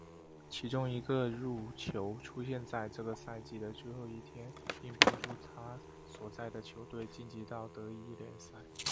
其中一个入球出现在这个赛季的最后一天并帮助他所在的球队晋级到德乙联赛。